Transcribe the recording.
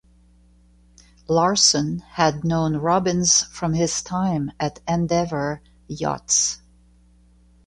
Larson had known Robbins from his time at Endeavour Yachts.